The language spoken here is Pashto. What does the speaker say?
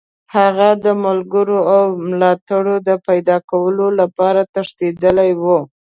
هغه د ملګرو او ملاتړو د پیداکولو لپاره تښتېدلی وو.